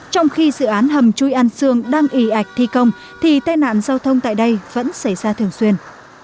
trong khi dự án hầm chui an sương đang ị ạch thi công thì tai nạn giao thông tại đây vẫn xảy ra thường xuyên